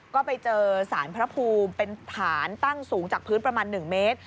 ก็ไปเจอสารพระภูมิเป็นฐานตั้งสูงจากพื้นประมาณ๑เมตร